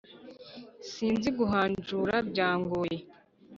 Sinzi guhanjura, byangoye!